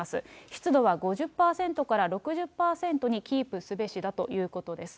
湿度は５０％から６０％にキープすべしだということです。